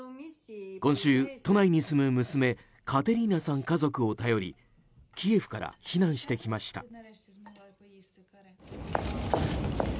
今週、都内に住む娘カテリーナさん家族を頼りキエフから避難してきました。